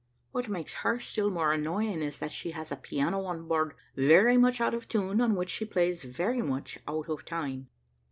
What makes her still more annoying is, that she has a piano on board, very much out of tune, on which she plays very much out of time.